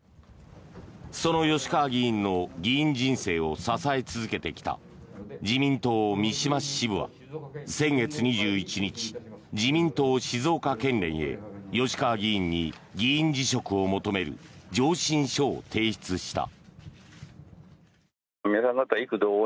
その吉川議員の議員人生を支え続けてきた自民党三島市支部は先月２１日自民党静岡県連へ吉川議員に議員辞職を求める上申書を提出した。